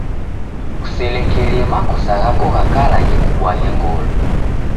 Kuselekerie makosa ghako gha kala ghikubwaghe ngolo.